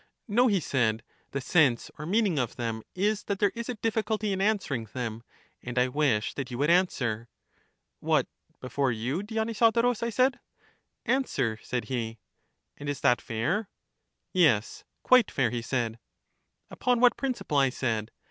No, he said; the sense or meaning of them is that there is a difficulty in answering them; and I wish that you would answer. What, before you, Dionysodorus? I said. Answer, said he. And is that fair? Yes, quite fair, he said. Upon what principle? I said.